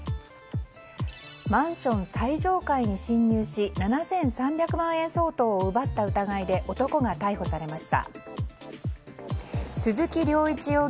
マンション最上階に侵入し７３００万円相当を奪った疑いで男が逮捕されました。